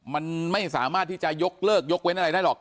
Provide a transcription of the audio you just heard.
มันไม่สามารถที่จะยกเลิกยกเว้นอะไรได้หรอก